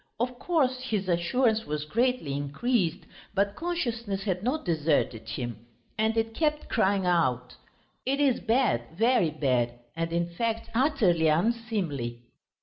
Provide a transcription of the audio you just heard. Of course his assurance was greatly increased, but consciousness had not deserted him, and it kept crying out: "It is bad, very bad and, in fact, utterly unseemly!"